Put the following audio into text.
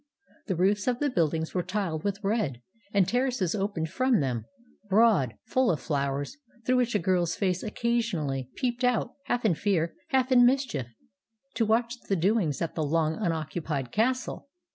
The roofs of the buildings were tiled with red, and ter races opened from them, broad, full of flowers, through which a girl's face occasionally peeped out, half in fear, half in mischief, to watch the doings at the long unoccu pied castle.